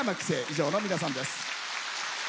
以上の皆さんです。